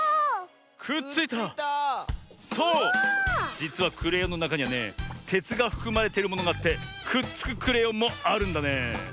じつはクレヨンのなかにはねてつがふくまれてるものがあってくっつくクレヨンもあるんだね。